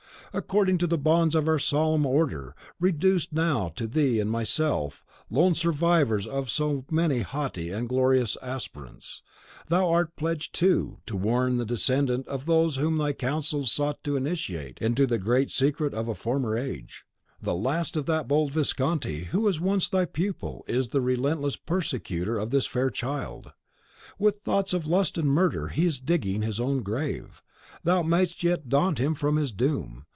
According to the bonds of our solemn order, reduced now to thee and myself, lone survivors of so many haughty and glorious aspirants, thou art pledged, too, to warn the descendant of those whom thy counsels sought to initiate into the great secret in a former age. The last of that bold Visconti who was once thy pupil is the relentless persecutor of this fair child. With thoughts of lust and murder, he is digging his own grave; thou mayest yet daunt him from his doom.